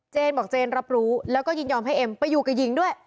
บอกเจนรับรู้แล้วก็ยินยอมให้เอ็มไปอยู่กับหญิงด้วย